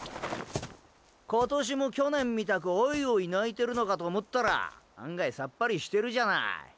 今年も去年みたくオイオイ泣いてるのかと思ったら案外サッパリしてるじゃナァイ。